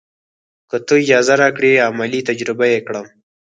که تۀ اجازه راکړې عملي تجربه یې کړم.